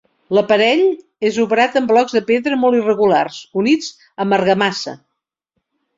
L'aparell és obrat amb blocs de pedra molt irregulars, units amb argamassa.